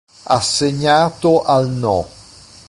Assegnato al No.